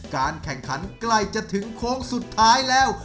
การแข่งขันใกล้จะถึงโค้งสุดท้ายแล้ว